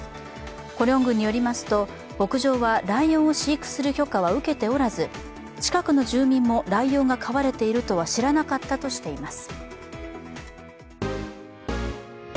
コリョン郡によりますと牧場はライオンを飼育する許可は受けておらず近くの住民もライオンが飼われているとは知らなかったとしています。